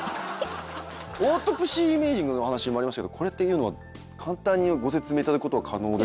オートプシー・イメージングの話ありましたけどこれっていうのは簡単にご説明いただくこと可能ですか？